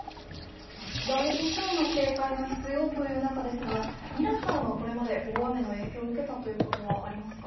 ふだん以上の警戒が必要という中ですが、ミラさんはこれまで大雨の影響を受けたということはありますか？